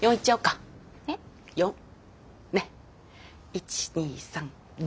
１２３４。